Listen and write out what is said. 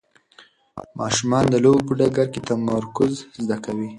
ماشومان د لوبو په ډګر کې تمرکز زده کوي.